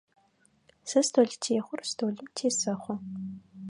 Сэ столтехъор столым тесэхъо.